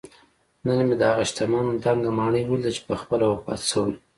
نن مې دهغه شتمن دنګه ماڼۍ ولیده چې پخپله وفات شوی